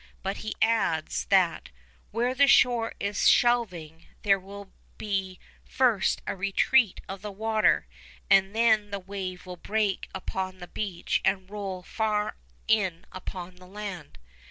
But he adds, that 'where the shore is shelving, there will be first a retreat of the water, and then the wave will break upon the beach and roll far in upon the land.